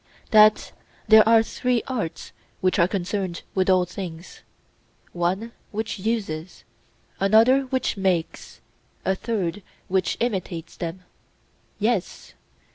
That there are three arts which are concerned with all things: one which uses, another which makes, a third which imitates them? Yes.